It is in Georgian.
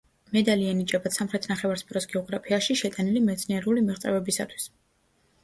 მედალი ენიჭებათ სამხრეთ ნახევარსფეროს გეოგრაფიაში შეტანილი მეცნიერული მიღწევებისათვის.